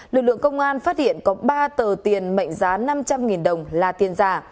lực lượng công an phát hiện có ba tờ tiền mệnh giá năm trăm linh đồng là tiền giả